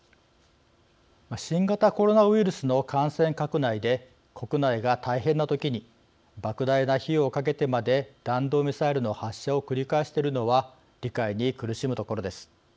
新型コロナウイルスの感染拡大で国内が大変なときにばく大な費用をかけてまで弾道ミサイルの発射を繰り返しているのは理解に苦しむところです。